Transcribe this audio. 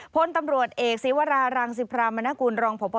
พลตำรวจเอกศิวรารังศิพรามณกุล